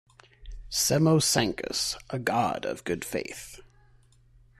Semo Sancus, a god of good faith.